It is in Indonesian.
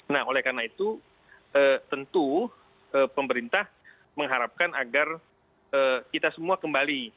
nah oleh karena itu tentu pemerintah mengharapkan agar kita semua kembali